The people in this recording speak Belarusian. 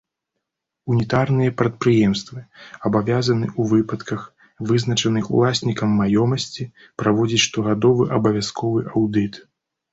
Унітарныя прадпрыемствы абавязаны ў выпадках, вызначаных уласнікам маёмасці, праводзіць штогадовы абавязковы аўдыт.